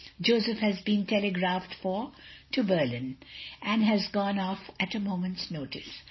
Joseph has been telegraphed for to Berlin, and has gone off at a moment's notice.